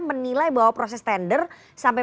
menilai bahwa proses tender sampai